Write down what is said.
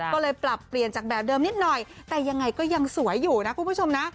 ก็เลยปรับเปลี่ยนจากแบบเดิมนิดหน่อยแต่ยังไงก็ยังสวยอยู่นะคุณผู้ชมนะ